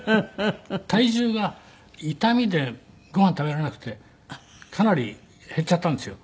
体重が痛みでご飯食べられなくてかなり減っちゃったんですよ。